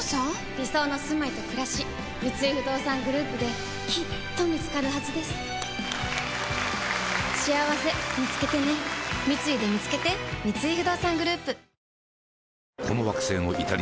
理想のすまいとくらし三井不動産グループできっと見つかるはずですしあわせみつけてね三井でみつけてＬｅｏｎａｒｄｏ！